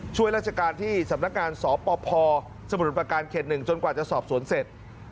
ช่วยราชการที่สำนักงานสปพสมุทรประการเขต๑จนกว่าจะสอบสวนเสร็จ